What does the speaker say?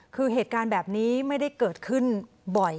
คือเหตุการณ์แบบนี้ไม่ได้เกิดขึ้นบ่อย